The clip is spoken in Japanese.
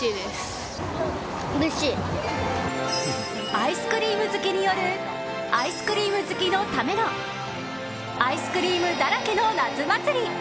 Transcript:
アイスクリーム好きによるアイスクリーム好きのためのアイスクリームだらけの夏祭り！